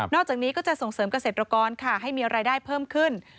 อกจากนี้ก็จะส่งเสริมเกษตรกรค่ะให้มีรายได้เพิ่มขึ้น